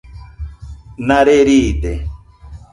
Nare riide